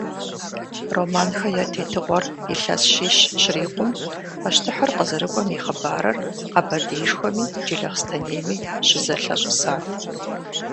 Романхэ я тетыгъуэр илъэс щищ щырикъум, пащтыхьыр къызэрыкӀуэм и хъыбарыр Къэбэрдеишхуэми Джылахъстэнейми щызэлъащӀысат.